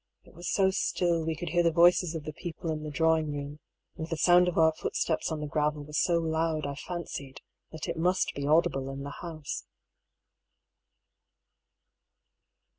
It was so still, we could hear the voices of the people in the drawing room, and the sound of our footsteps on the gravel was so loud I fancied that it must be audible in the house.